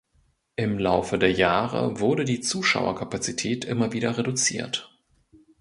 Im Laufe der Jahre wurde die Zuschauerkapazität immer wieder reduziert.